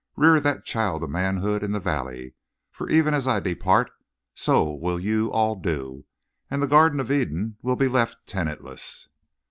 Rear that child to manhood in the valley, for even as I depart so will you all do, and the Garden of Eden will be left tenantless.'